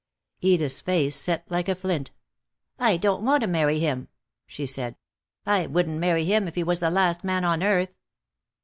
Edith's face set like a flint. "I don't want to marry him," she said. "I wouldn't marry him if he was the last man on earth."